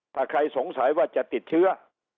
ถ้าใครสงสัยว่าจะติดเชื้อ